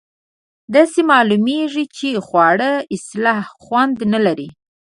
داسې معلومیږي چې خواړه اصلآ خوند نه لري.